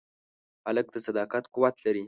هلک د صداقت قوت لري.